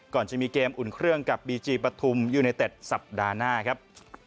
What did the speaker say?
ก่อนจะมีเกมอุ่นเครื่องกับบีจีปฐุมยูเนเต็ดสัปดาห์หน้าครับ